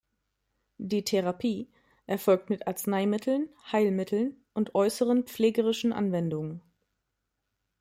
Die "Therapie" erfolgt mit Arzneimitteln, Heilmitteln und äußeren pflegerischen Anwendungen.